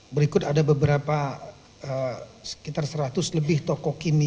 berikut ada beberapa sekitar seratus lebih toko kini